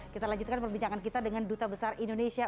kita lanjutkan perbincangan kita dengan duta besar indonesia